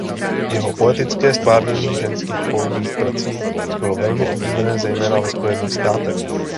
Jeho poetické ztvárnění ženských polních prací bylo velmi oblíbené zejména ve Spojených státech.